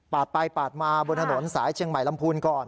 ไปปาดมาบนถนนสายเชียงใหม่ลำพูนก่อน